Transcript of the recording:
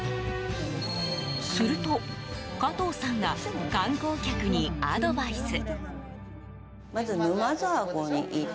すると、加藤さんが観光客にアドバイス。